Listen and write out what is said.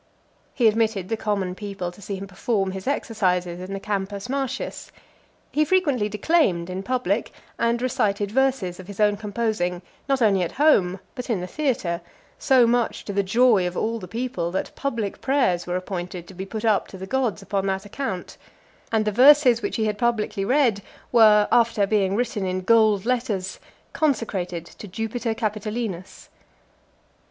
He admitted the common people to see him perform his exercises in the Campus Martius. He frequently declaimed in public, and recited verses of his own composing, not only at home, but in the theatre; so much to the joy of all the people, that public prayers were appointed to be put up to the gods upon that account; and the verses which had been publicly read, were, after being written in gold letters, consecrated to Jupiter Capitolinus.